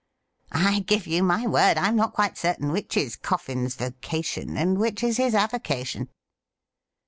I give you my word, I am not quite certain which is Coffin's vocation and which is his avocation.'